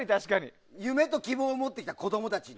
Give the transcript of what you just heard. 夢と希望を持ってきた子供たちが。